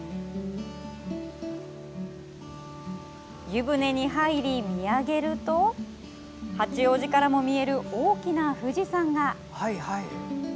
湯船に入り、見上げると八王子からも見える大きな富士山が。